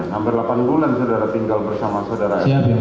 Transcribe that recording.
hampir delapan bulan saudara tinggal bersama saudara